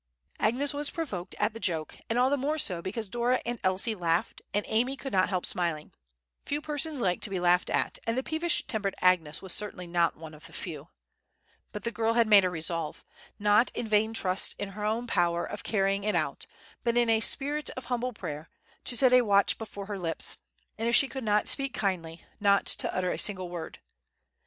Agnes was provoked at the joke, and all the more so because Dora and Elsie laughed, and Amy could not help smiling. Few persons like to be laughed at, and the peevish tempered Agnes was certainly not one of the few. But the girl had made a resolve, not in vain trust in her own power of carrying it out, but in a spirit of humble prayer, to set a watch before her lips; and if she could not speak kindly, not to utter a single word.